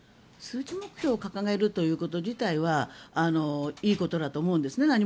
数値目標を掲げるということ自体はいいことだと思うんですね。